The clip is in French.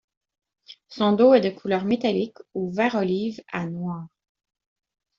Son dos est de couleur métallique ou vert olive à noir.